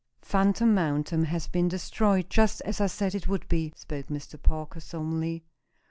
"Phantom Mountain has been destroyed, just as I said it would be," spoke Mr. Parker, solemnly.